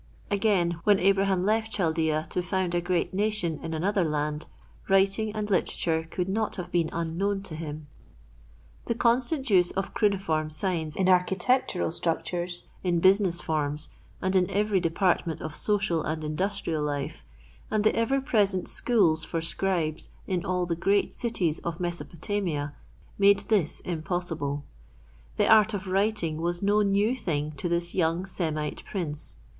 Again, when Abraham left Chaldea to found a great nation in another land, writing and literature could not have been unknown to him. The constant use of cuneiform signs in architectural structures, in business forms and in every department of social and industrial life and the ever present schools for scribes in all the great cities of Mesopotamia made this impossible. The art of writing was no new thing to this young Semite prince.